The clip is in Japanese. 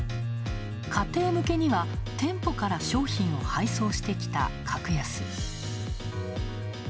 家庭向けには店舗から商品を配送してきたカクヤス。